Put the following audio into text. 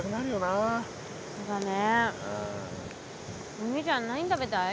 お兄ちゃん何食べたい？